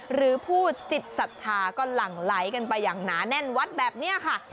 หรือผู้จิตศรัทธาก็หลั่งไหลกันไปอย่างหนาแน่นวัดแบบนี้ค่ะ